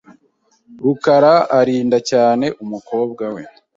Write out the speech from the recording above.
rukara arinda cyane. umukobwa we .